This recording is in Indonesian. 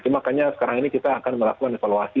makanya sekarang ini kita akan melakukan evaluasi